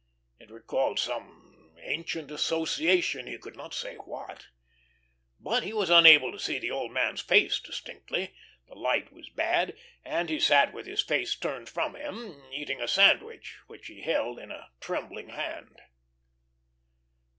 It recalled some ancient association, he could not say what. But he was unable to see the old man's face distinctly; the light was bad, and he sat with his face turned from him, eating a sandwich, which he held in a trembling hand.